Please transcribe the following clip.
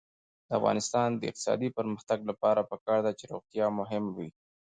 د افغانستان د اقتصادي پرمختګ لپاره پکار ده چې روغتیا مهمه وي.